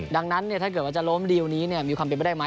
ดังนั้นถ้าเกิดว่าจะล้มดีลนี้มีความเป็นไปได้ไหม